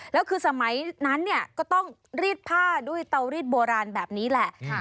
แล้วคือสมัยนั้นเนี่ยก็ต้องรีดผ้าด้วยเตารีดโบราณแบบนี้แหละ